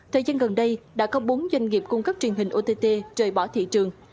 thời gian gần đây đã có bốn doanh nghiệp cung cấp truyền hình ott trời bỏ thị trường